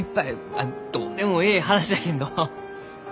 あっどうでもえい話じゃけんど。